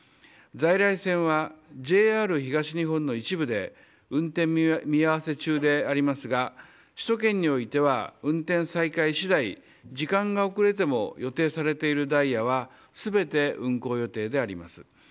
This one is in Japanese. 在来線はＪＲ東日本の一部で運転見合わせ中でありますが首都圏においては運転再開次第時間が遅れても予定されているダイヤは全て運行予定であります。